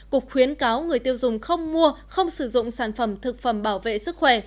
cục khuyến cáo người tiêu dùng không mua không sử dụng sản phẩm thực phẩm bảo vệ sức khỏe